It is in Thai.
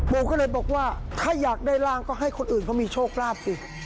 โมก็เลยบอกว่าถ้าอยากได้ร่างก็ให้คนอื่นเขามีโชคลาภสิ